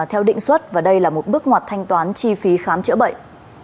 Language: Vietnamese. theo định xuất và đây là một bước ngoặt thanh toán chi phí khám chữa bệnh